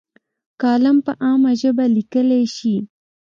کالم په عامه ژبه لیکلی شي.